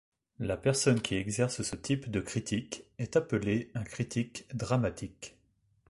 La personne qui exerce ce type de critique est appelé un critique dramatique.